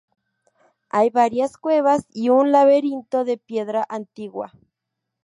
Hay varias cuevas y un laberinto de piedra antigua.